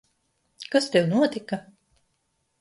Kas tev notika?